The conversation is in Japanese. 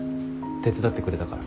手伝ってくれたから。